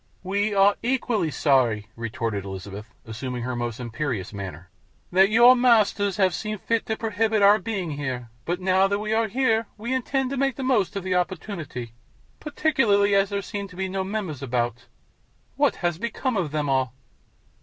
"We are equally sorry," retorted Elizabeth, assuming her most imperious manner, "that your masters have seen fit to prohibit our being here; but, now that we are here, we intend to make the most of the opportunity, particularly as there seem to be no members about. What has become of them all?"